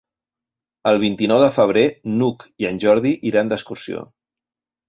El vint-i-nou de febrer n'Hug i en Jordi iran d'excursió.